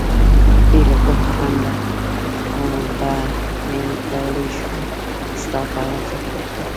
بې له کوم خنډه به مې کولای شول ستا په اړه فکر وکړم.